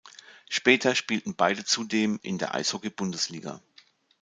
Später spielten beide zudem in der Eishockey-Bundesliga.